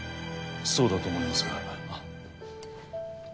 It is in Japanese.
そうだと思いますが。